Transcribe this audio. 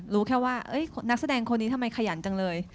รู้แค่ว่านักแสดงคนนี้ทำไมขยันจังเลย